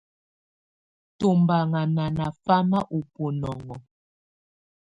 Tɔbanŋa nana famáa ɔ bɔnɔŋɔ.